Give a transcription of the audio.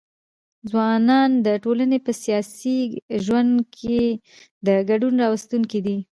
ځوانان د ټولني په سیاسي ژوند ګي د بدلون راوستونکي دي.